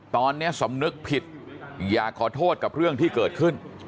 ตอนนี้สำนึกผิดอยากขอโทษกับเรื่องที่เกิดขึ้น